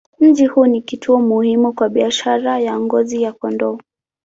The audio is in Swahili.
Mji huu ni kituo muhimu kwa biashara ya ngozi za kondoo.